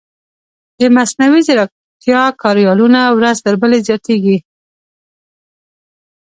د مصنوعي ځیرکتیا کاریالونه ورځ تر بلې زیاتېږي.